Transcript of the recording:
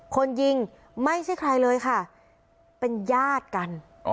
คนยิงไม่ใช่ใครเลยค่ะเป็นญาติกัน